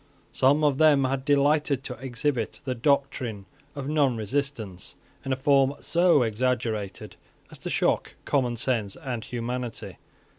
Some of them had delighted to exhibit the doctrine of nonresistance in a form so exaggerated as to shock common sense and humanity.